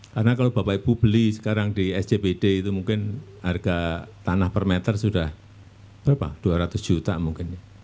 karena kalau bapak ibu beli sekarang di sjbd itu mungkin harga tanah per meter sudah dua ratus juta mungkin